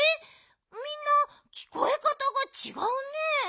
みんなきこえかたがちがうね。